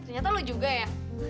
ternyata lo juga ya